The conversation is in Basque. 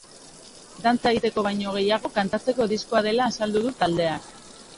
Dantza egiteko baino gehiago, kantatzeko diskoa dela azaldu du taldeak.